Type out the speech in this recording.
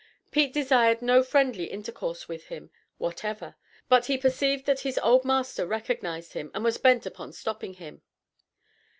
Pete desired no friendly intercourse with him whatever; but he perceived that his old master recognized him and was bent upon stopping him.